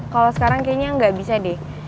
kalau sekarang kayaknya nggak bisa deh